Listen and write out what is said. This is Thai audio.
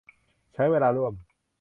ใช้เวลาร่วม